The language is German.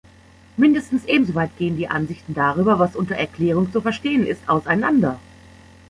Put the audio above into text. Mindestens ebenso weit gehen die Ansichten darüber, was unter "Erklärung" zu verstehen ist, auseinander.